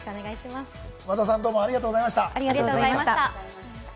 和田さん、どうもありがとうございました。